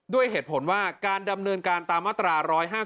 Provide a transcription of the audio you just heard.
ด้วยเหตุผลว่าการดำเนินการตามมาตรา๑๕๗